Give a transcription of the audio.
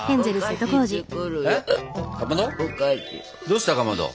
どうしたかまど？